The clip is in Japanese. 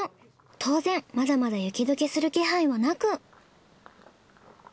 当然まだまだ雪解けする気配はなく。